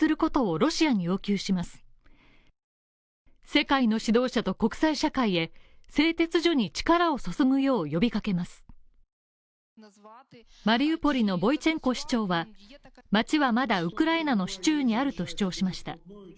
ウクライナの副首相はマリウポリのボイチェンコ市長は街はまだウクライナの手中にあると主張しました。